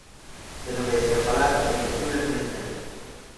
Se non me deixa falar é imposible que me entenda.